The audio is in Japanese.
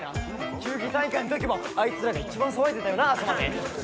球技大会のときもあいつらが一番騒いでたよな朝まで。